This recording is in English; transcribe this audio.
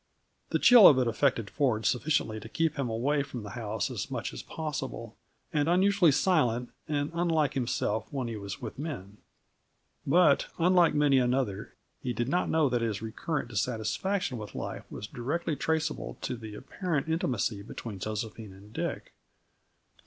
The chill of it affected Ford sufficiently to keep him away from the house as much as possible, and unusually silent and unlike himself when he was with the men. But, unlike many another, he did not know that his recurrent dissatisfaction with life was directly traceable to the apparent intimacy between Josephine and Dick.